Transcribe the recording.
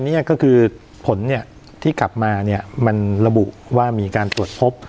นี่ก็คือผลที่กลับมาเนี่ยมันระบุว่ามีการตรวจพบ